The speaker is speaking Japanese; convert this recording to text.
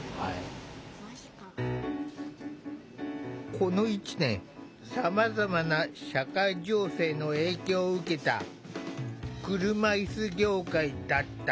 この１年さまざまな社会情勢の影響を受けた車いす業界だった。